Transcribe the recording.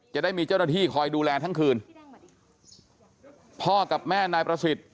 จะได้มีเจ้าหน้าที่คอยดูแลทั้งคืนพ่อกับแม่นายประสิทธิ์